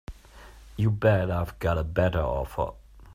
You bet I've got a better offer.